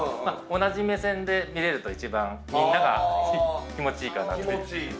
同じ目線で見るとみんなが気持ちいいかなって。